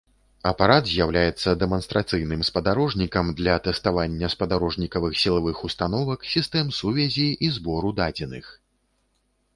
Апарат з'яўляецца дэманстрацыйным спадарожнікам для тэставання спадарожнікавых сілавых установак, сістэм сувязі і збору дадзеных.